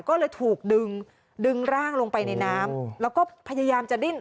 ก็เลยถูกดึงดึงร่างลงไปในน้ำแล้วก็พยายามจะดิ้น